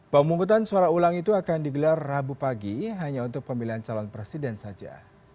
pemungkutan suara ulang itu akan digelar rabu pagi hanya untuk pemilihan calon presiden saja